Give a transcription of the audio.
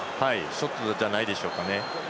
ショットじゃないでしょうか。